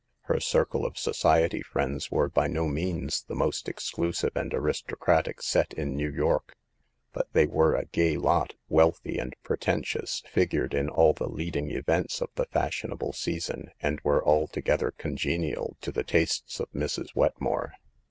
Her circle of society friends SOME TEMPTATIONS OF CITY LIFE. 181 were by no means the most exclusive and aristocratic " set " in New York, but they were a gay lot, wealthy and pretentious, figured in all the leading events of the fashionable season, and were altogether congenial to the tastes of Mrs. Wetmore.